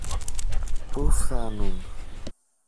Πού φθάνουν;